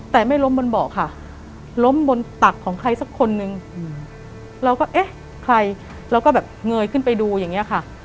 แต่ไม่ล้มบนเบาะค่ะล้มบนตักของใครสักคนนึงเราก็เอ๊ะใครเราก็แบบเงยขึ้นไปดูอย่างเงี้ยค่ะ